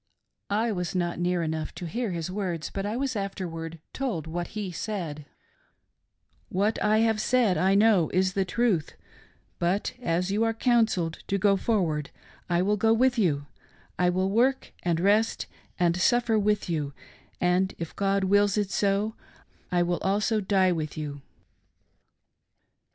I was not near enough to hear his words, but I was afterward told that he said : 'What I have said, I know is the truth ; but as you are counseled to go for ward, I will go with you ; I will work, and rest, and suffer with you, and, if God wills it so, I will also die with you.'